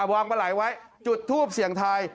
วางปลาไหลไว้จุดทูปเสี่ยงทาย